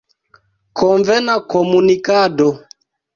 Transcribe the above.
Konvena komunikado.